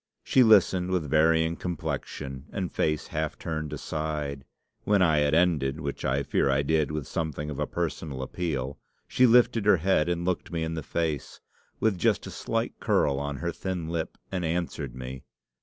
She listened with varying complexion and face half turned aside. When I had ended, which I fear I did with something of a personal appeal, she lifted her head and looked me in the face, with just a slight curl on her thin lip, and answered me.